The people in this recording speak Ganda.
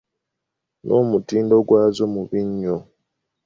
N’omutindo gwazo mubi nnyo.